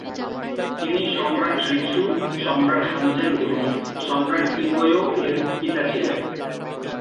তিনি সম্রাট রিছু, সম্রাট হানযেল এবং সম্রাট ইঙ্গয়ও এর পিতা ছিলেন।